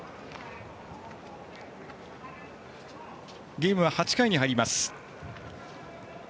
ゲームは８回に入ります。